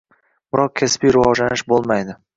biroq kasbiy rivojlanish bo‘lmaydi.